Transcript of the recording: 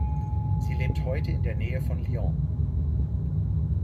Sie lebt heute in der Nähe von Lyon.